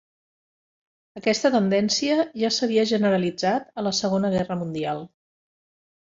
Aquesta tendència ja s'havia generalitzat a la Segona Guerra Mundial.